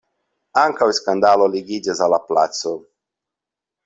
Ankaŭ skandalo ligiĝas al la placo.